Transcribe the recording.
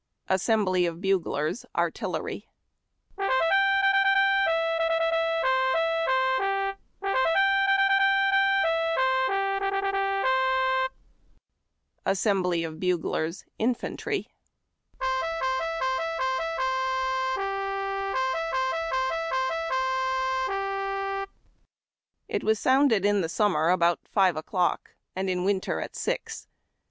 Assembly of Buglers (artillery). ^=^ f —^^• F= Assembly of Buglers (uifantrT/). It was sounded in summer about five o'clock, and in winter at six.